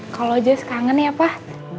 kalau jazz kangen ya pak